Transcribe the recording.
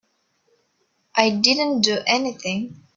I didn't do anything.